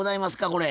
これ。